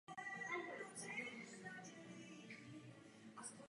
Po Athénách pokračoval ve výborných výkonech i přes svůj poměrně vysoký věk.